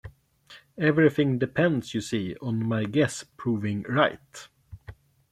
Everything depended, you see, on my guess proving right.